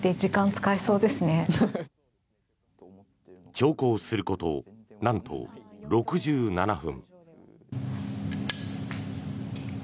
長考すること、なんと６７分。